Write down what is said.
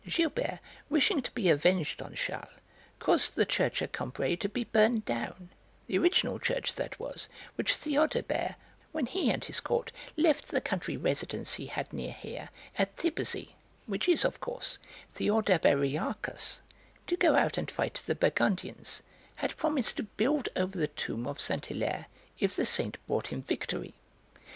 Gilbert, wishing to be avenged on Charles, caused the church at Combray to be burned down, the original church, that was, which Théodebert, when he and his court left the country residence he had near here, at Thiberzy (which is, of course, Theodeberiacus), to go out and fight the Burgundians, had promised to build over the tomb of Saint Hilaire if the Saint brought him; victory.